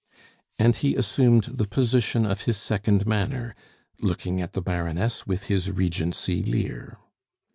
And he assumed the position of his second manner, looking at the Baroness with his Regency leer.